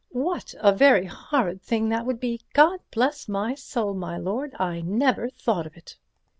"What a very horrid thing that would be—God bless my soul, my lord, I never thought of it."